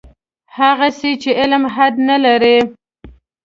هغسې چې علم حد نه لري.